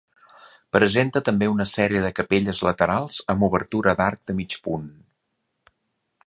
Presenta també una sèrie de capelles laterals amb obertura d'arc de mig punt.